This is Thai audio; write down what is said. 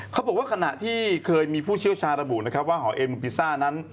เขาบอกว่าขณะที่เคยมีผู้เชี่ยวชาระบุว่าหอเอ็นเมืองพีซ่านั้น